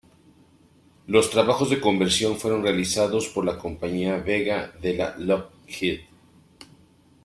Los trabajos de conversión fueron realizados por la compañía Vega de la Lockheed.